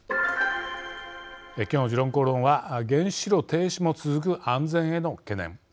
今日の「時論公論」は原子炉停止も続く安全への懸念。